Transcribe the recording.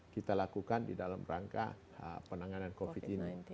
kita lakukan di dalam rangka penanganan covid sembilan belas